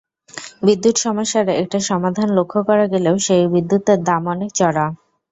বিদ্যুৎ সমস্যার একটা সমাধান লক্ষ করা গেলেও সেই বিদ্যুতের দাম অনেক চড়া।